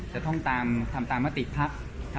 จะต้องทำตามมาติพรรค